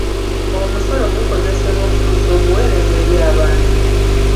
Omusolo gukozesebwa okutuusa obuweereza eri abantu.